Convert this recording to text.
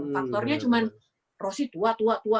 faktornya cuma rosie tua tua tua